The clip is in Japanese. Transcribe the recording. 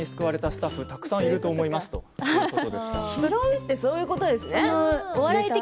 スタッフたくさんいると思いますということでした。